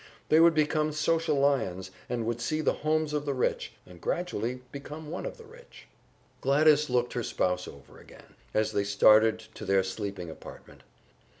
They would become social lions, and would see the homes of the rich, and gradually become one of the rich. Gladys looked her spouse over again, as they started to their sleeping apartment.